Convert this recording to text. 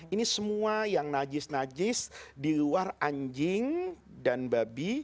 ini semua yang najis najis di luar anjing dan babi